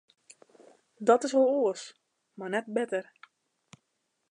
Dat is al oars, mar net better.